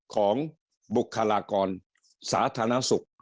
ของบุษฏฐานสาธารณสุข